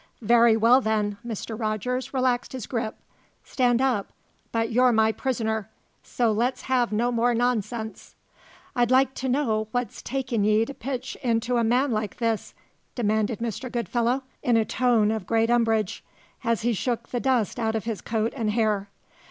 "Very well, then." Mr. Rogers relaxed his grip. "Stand up! But you're my prisoner, so let's have no more nonsense!" "I'd like to know what's taken ye to pitch into a man like this?" demanded Mr. Goodfellow in a tone of great umbrage, as he shook the dust out of his coat and hair.